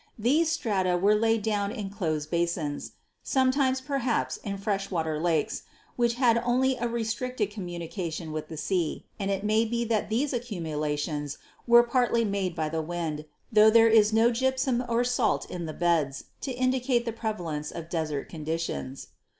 These strata were laid down in closed basins (sometimes, perhaps, in fresh water lakes), which had only a restricted communication with the sea, and it may be that these accumulations were Fig. 36 — Later Ostracoderm, Tterichthys' ; Devonian Pe riod. (Scott.) partly made by the wind, tho there is no gypsum or salt in the beds to indicate the prevalence of desert conditions.